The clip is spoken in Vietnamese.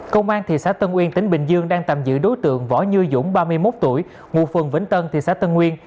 công an thị xã tân uyên tỉnh bình dương đang tạm giữ đối tượng võ như dũng ba mươi một tuổi ngụ phường vĩnh tân thị xã tân nguyên